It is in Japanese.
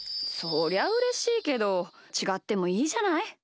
そりゃうれしいけどちがってもいいじゃない。